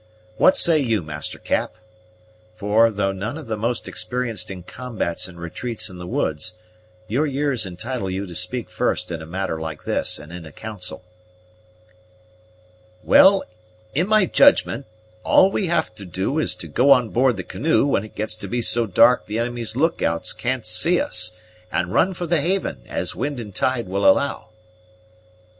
What say you, Master Cap? for, though none of the most experienced in combats and retreats in the woods, your years entitle you to speak first in a matter like this and in a council." "Well, in my judgment, all we have to do is to go on board the canoe when it gets to be so dark the enemy's lookouts can't see us, and run for the haven, as wind and tide will allow."